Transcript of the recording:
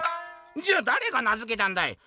「じゃあだれが名づけたんだい？」。